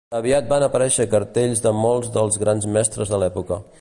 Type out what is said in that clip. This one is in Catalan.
Aviat van aparèixer cartells de molts dels grans mestres de l'època.